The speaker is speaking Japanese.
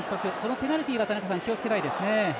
ペナルティは気をつけたいですね。